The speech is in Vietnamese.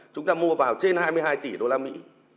chúng ta mua vào trên hai mươi hai tỷ đô la mỹ